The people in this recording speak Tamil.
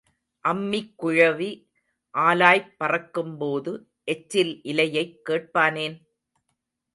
அம்மிக்குழவி ஆலாய்ப் பறக்கும்போது எச்சில் இலையைக் கேட்பானேன்?